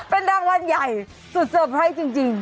เป็นดังร้านใหญ่สุดเซอร์ไพรส์จริง